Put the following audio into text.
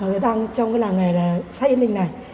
ở đây đang trong cái làng nghề là sách yên linh này